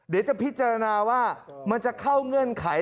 เดี๋ยวจะพิจารณาว่ามันจะเข้าเงื่อนไข